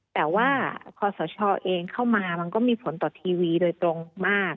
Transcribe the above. แต่ว่าคอสชเองเข้ามามันก็มีผลต่อทีวีโดยตรงมาก